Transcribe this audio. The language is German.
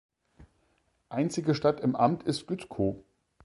Einzige Stadt im Amt ist Gützkow.